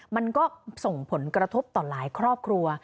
มันก็ส่งผลกระทบต่อหลายครอบครัว